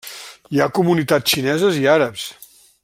Hi ha comunitats xineses i àrabs.